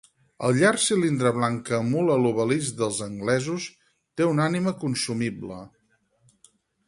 El llarg cilindre blanc que emula l'obelisc dels anglesos té una ànima consumible.